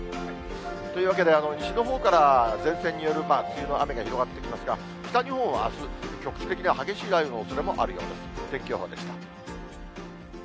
というわけで、西のほうから前線による梅雨の雨が広がってきますが、北日本はあす、局地的な激しい雷雨のおそれもあるようです。